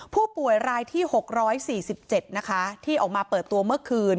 ผู้ป่วยรายที่๖๔๗นะคะที่ออกมาเปิดตัวเมื่อคืน